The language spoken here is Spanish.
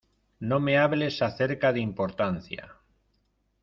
No me hables acerca de importancia.